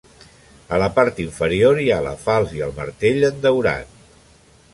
A la part inferior hi ha la falç i el martell en daurat.